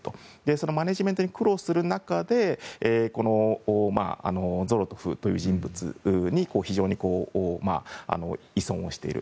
そのマネジメントに苦労する中でゾロトフという人物に非常に依存をしている。